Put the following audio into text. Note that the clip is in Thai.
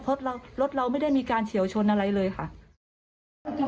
เพราะรถเราไม่ได้มีการเฉียวชนอะไรเลยค่ะ